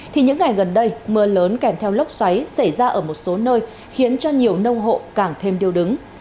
thì những ngày gần đây mưa lớn kèm theo lốc xoáy xảy ra ở một số nơi khiến cho nhiều nông hộ càng thêm điều đứng